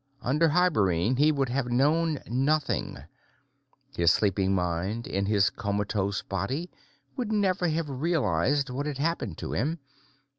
Under hibernene, he would have known nothing; his sleeping mind in his comatose body would never have realized what had happened to him.